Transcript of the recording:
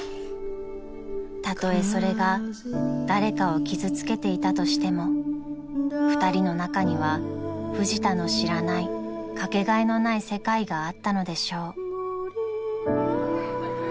［たとえそれが誰かを傷つけていたとしても２人の中にはフジタの知らないかけがえのない世界があったのでしょう］